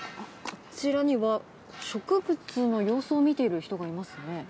こちらには、植物の様子を見ている人がいますね。